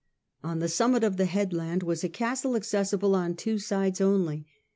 On the summit of the headland was a castle accessible on two sides only.